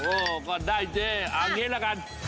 โอ้ก็ได้เจ๊เอาอย่างนี้ละกัน